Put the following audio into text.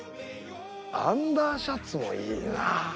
アンダーシャツもいいな。